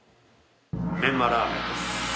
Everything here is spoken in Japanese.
メンマラーメンです。